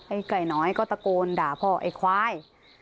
ไก่น้อยก็ตะโกนด่าพ่อไอ้ควาย